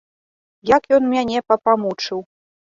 Як ён мяне папамучыў.